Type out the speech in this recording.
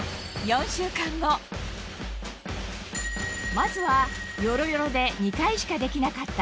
まずはヨロヨロで２回しかできなかった